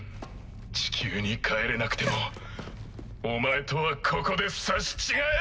地球に帰れなくてもお前とはここで刺し違える！